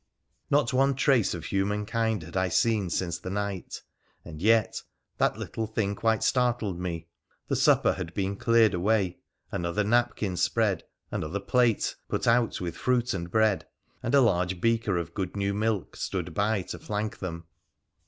Not one trace of humankind had I seen since the night, and yet — that little thing quite startled me — the supper had been cleared away, another napkin spread, another plate, put out with fruit and bread, and a large beaker of good new milk stood by to flank them.